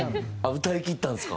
歌いきったんですか？